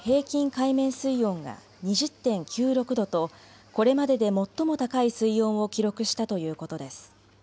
海面水温が２０．９６度とこれまでで最も高い水温を記録したということです。